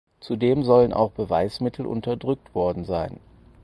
Zudem sollen auch Beweismittel unterdrückt worden sein.